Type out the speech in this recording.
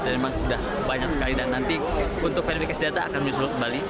dan memang sudah banyak sekali dan nanti untuk verifikasi data akan disulut kembali